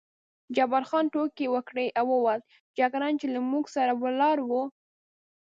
جبار خان ټوکې وکړې او ووت، جګړن چې له موږ سره ولاړ و.